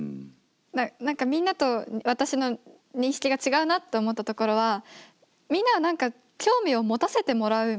何かみんなと私の認識が違うなと思ったところはみんなは何か興味を持たせてもらうみたいな。